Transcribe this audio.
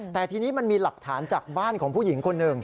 แต่ทีนี้มันมีหลักฐานจากบ้านของผู้หญิงคนหนึ่ง